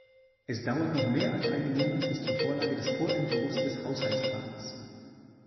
Es dauert noch mehr als einen Monat bis zur Vorlage des Vorentwurfs des Haushaltsplans.